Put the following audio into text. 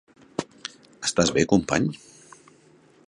Estàs bé company?